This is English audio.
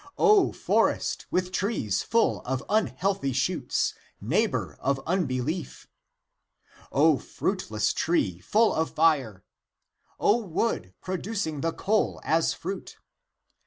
O forest, with trees full of un healthy shoots, neighbor of unbelief! O fruitless tree, full of fire! O wood, producing the coal as fruit